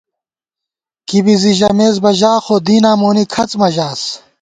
کِبی زی ژَمېس بہ ژا خو دیناں مونی کھڅ مہ ژاس